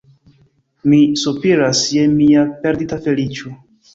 Mi sopiras je mia perdita feliĉo.